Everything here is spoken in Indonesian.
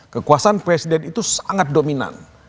kekuasaan presiden itu sangat dominan